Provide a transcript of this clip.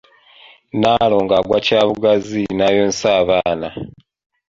Nnaalongo agwa kyabugazi n’ayonsa abaana.